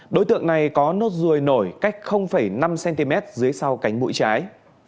đối tượng này có nốt ruồi nổi cách năm cm dưới sau cánh mũi trái